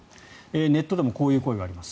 ネットでもこういう声があります。